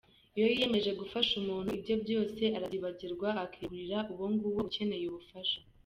Iyo yiyemeje gufasha umuntu ibye byose arabyibagirwa akiyegurira uwo nguwo ukeneye ubufasha.